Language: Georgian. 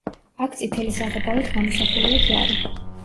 აქ წითელი საღებავით გამოსახულია ჯვარი.